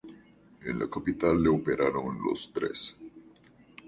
En la Capital le operaron los Dres.